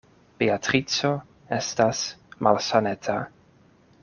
Beatrico estas malsaneta.